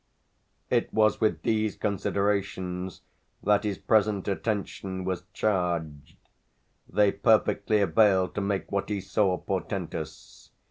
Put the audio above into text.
It was with these considerations that his present attention was charged they perfectly availed to make what he saw portentous.